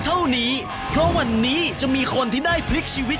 เท่านี้เพราะวันนี้จะมีคนที่ได้พลิกชีวิต